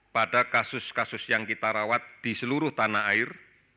pada kasus kasus yang kita rawat di seluruh tanah air